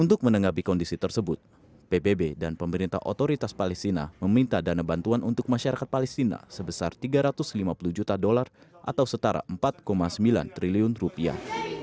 untuk menanggapi kondisi tersebut pbb dan pemerintah otoritas palestina meminta dana bantuan untuk masyarakat palestina sebesar tiga ratus lima puluh juta dolar atau setara empat sembilan triliun rupiah